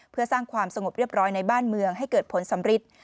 เพื่อสร้างความสงบเรียบร้อยในบ้านเมืองให้เกิดผลสำริท